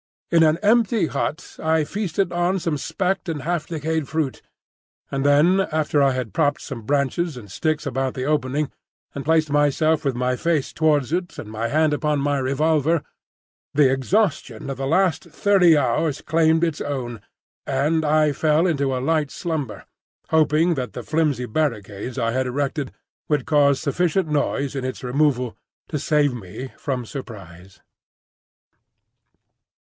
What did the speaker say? In an empty hut I feasted on some specked and half decayed fruit; and then after I had propped some branches and sticks about the opening, and placed myself with my face towards it and my hand upon my revolver, the exhaustion of the last thirty hours claimed its own, and I fell into a light slumber, hoping that the flimsy barricade I had erected would cause sufficient noise in its removal to save me from surprise.